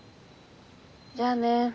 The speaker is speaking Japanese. じゃあね。